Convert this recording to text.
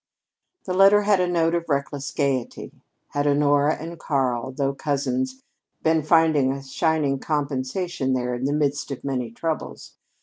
The letter had a note of reckless gayety. Had Honora and Karl, though cousins, been finding a shining compensation there in the midst of many troubles?